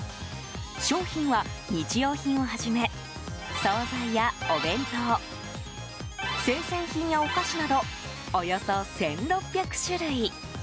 商品は日用品をはじめ、総菜やお弁当生鮮品やお菓子などおよそ１６００種類。